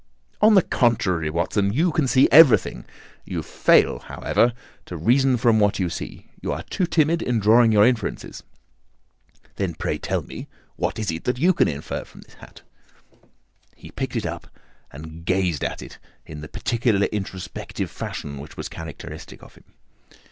"On the contrary, Watson, you can see everything. You fail, however, to reason from what you see. You are too timid in drawing your inferences." "Then, pray tell me what it is that you can infer from this hat?" He picked it up and gazed at it in the peculiar introspective fashion which was characteristic of him.